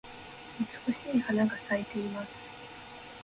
美しい花が咲いています。